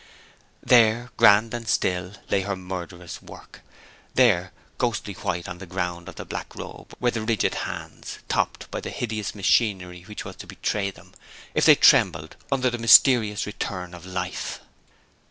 There, grand and still, lay her murderous work! There, ghostly white on the ground of the black robe, were the rigid hands, topped by the hideous machinery which was to betray them, if they trembled under the mysterious return of life!